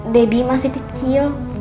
debbie masih kecil